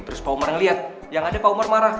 terus pak umar ngeliat yang ada pak umar marah